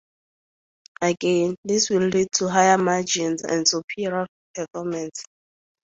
Again, this will lead to higher margins and superior performance.